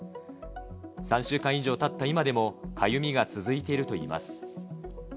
３週間以上たった今でも、かゆみが続いているといいます。